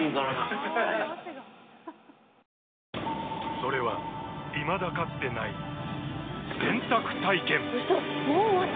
それはいまだかつてない洗濯体験‼うそっ！